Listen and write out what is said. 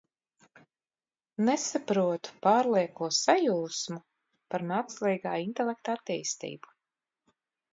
Nesaprotu, pārlieko sajūsmu par mākslīgā intelekta attīstību.